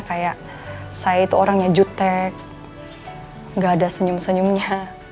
kayak saya itu orangnya jutek gak ada senyum senyumnya